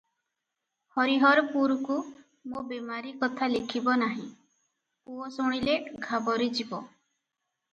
ହରିହରପୁରକୁ ମୋ ବେମାରି କଥା ଲେଖିବ ନାହିଁ, ପୁଅ ଶୁଣିଲେ ଘାବରିଯିବ ।"